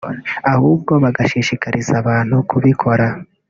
ahubwo bagashishikariza abantu kubikora